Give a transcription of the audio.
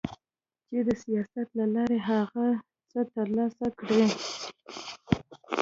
چي د سياست له لارې هغه څه ترلاسه کړي